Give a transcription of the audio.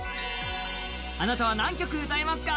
あなたは何曲歌えますか？